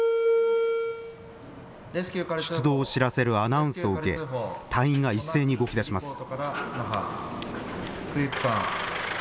出動を知らせるアナウンスを受け、隊員が一斉に動きだします。